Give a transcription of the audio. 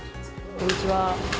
こんにちは。